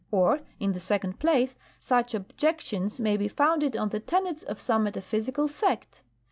Or, in the second place, such objections may be founded on the tenets of some metaphysical sect.